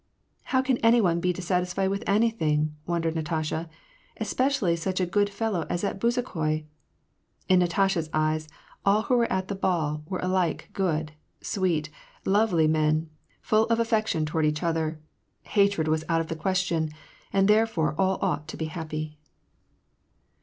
" How can any one be dissatisfied with anything," wondered Natasha.' ^^ Especially such a good fellow as that Bezukhoi ?" In Natasha's eyes, all who were at the ball were alike good, sweet, lovely men, full of affection toward each other : hatred was out of the question, and therefore all ought to be happy.